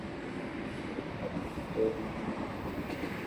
যা ইতিহাসে প্রথমবারের মত করা হলো।